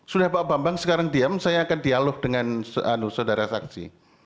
sudah pak bambang sekarang diam saya akan dialog dengan saudara saksi